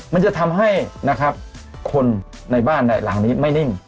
มันจะทำให้นะครับคนในบ้านหลังนี้ไม่นิ่ง